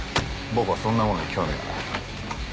僕はそんなものに興味はない